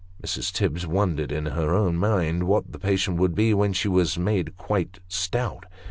Mrs. Tibbs wondered in her own mind what the patient would bo when she was made quite stout.